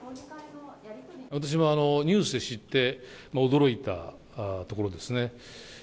私もニュースで知って、驚いたところですね。